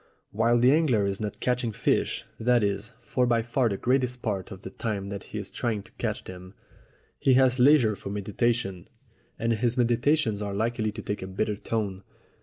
While the angler is not catching fish that is, for by far the greater part of the time that he is trying to catch them he has leisure for meditation, and his meditations are likely to take a bitter tone.